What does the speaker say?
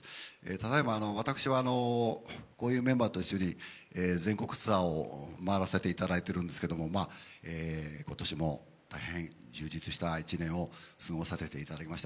ただいま私はこういうメンバーと一緒に全国ツアーを回らせていただいておりまして、今年も大変充実した１年を過ごさせていただきました。